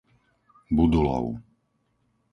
Budulov